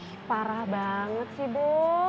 wah parah banget sih bu